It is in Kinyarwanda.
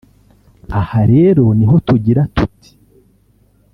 Aha rero niho tugira tuti